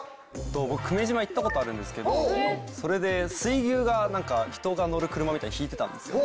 僕久米島行ったことあるんですけどそれで水牛が人が乗る車みたいなの引いてたんですよ。